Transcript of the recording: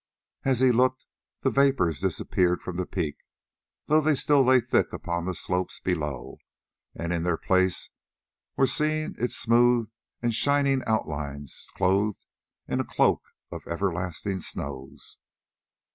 As he looked the vapours disappeared from the peak, though they still lay thick upon the slopes below, and in their place were seen its smooth and shining outlines clothed in a cloak of everlasting snows.